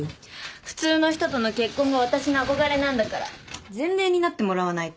普通の人との結婚が私の憧れなんだから前例になってもらわないと。